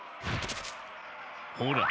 ほら。